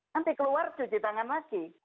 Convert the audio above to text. nanti keluar cuci tangan lagi